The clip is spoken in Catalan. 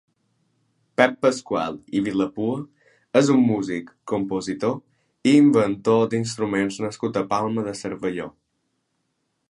Pep Pascual i Vilapua és un músic, compositor i inventor d'instruments nascut a la Palma de Cervelló.